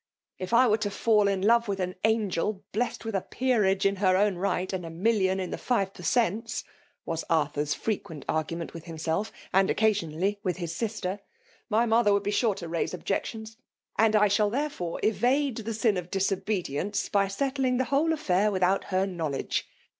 ''^ If I were f o fall i^' love with an* angel, blest with a peetage in her Qwn^ rights and a million in. the five per tent^," was Arthur*s freqitent argument with himself, and occasionally with his sister, " my mother woiildbe sure to raise objections; and! shall liierefore evade the sin of. disobedience by settling' the whole affair without her knowledge.